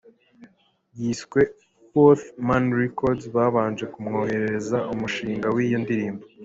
yiswe ‘Fourth Man Records’ babanje kumwoherereza umushinga w’iyo ndirimbo